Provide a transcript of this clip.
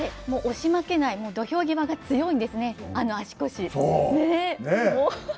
もう押し負けない土俵際が強いんですね、あの足腰。